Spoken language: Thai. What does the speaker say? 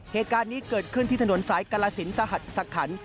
เหตุการณ์นี้เกิดขึ้นที่ถนนสายกรสินสหัสสะขัน